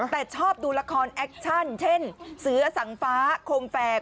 แต่ชอบดูละครแอคชั่นเช่นเสือสังฟ้าคมแฝก